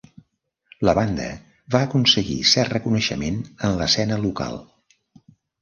La banda va aconseguir cert reconeixement en l'escena local.